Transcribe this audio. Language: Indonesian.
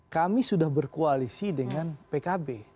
kami sudah berkoalisi dengan pkb